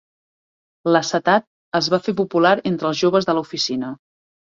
L'acetat es va fer popular entre els joves de l'oficina.